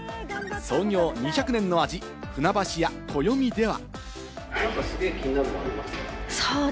創業２００年の味、船橋屋こよみでは。